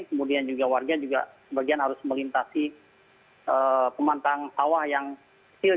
kemudian juga warga juga sebagian harus melintasi pemantang sawah yang kecil